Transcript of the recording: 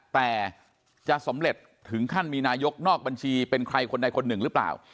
แต่จะสำเร็จถึงขั้นมีนายกนอกบัญชีเป็นใครคนใดคนหนึ่งหรือเปล่า